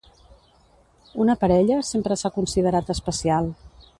Una parella sempre s'ha considerat especial.